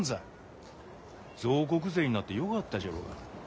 造石税になってよかったじゃろうが。